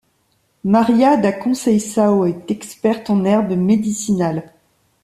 Maria da Conceição est experte en herbes médicinales.